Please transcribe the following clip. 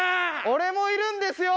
俺もいるんですよ